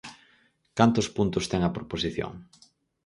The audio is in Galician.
¿Cantos puntos ten a proposición?